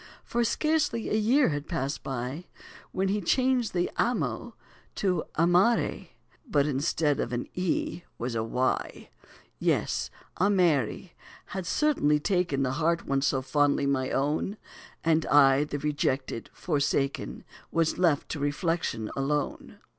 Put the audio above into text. For scarcely a year had passed by, When he changed the "amo" to "amare," But instead of an "e" was a "y." Yes, a Mary had certainly taken The heart once so fondly my own, And I, the rejected, forsaken, Was left to reflection alone.